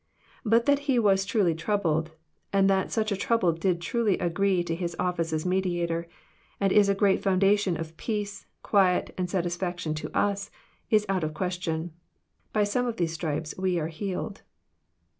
— But that He was truly troubled, and that such a trouble did truly agree to His office as Mediator, and is a great foundation of peace, quiet, and satisfaction to us, is out of question. By some of these stripes we are healed."